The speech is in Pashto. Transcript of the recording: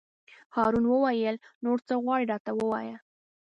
هارون وویل: نور څه غواړې راته ووایه.